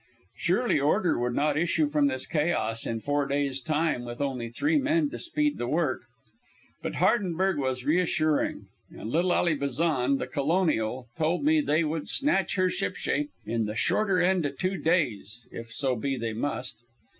Surely order would not issue from this chaos in four days' time with only three men to speed the work. But Hardenberg was reassuring, and little Ally Bazan, the colonial, told me they would "snatch her shipshape in the shorter end o' two days, if so be they must."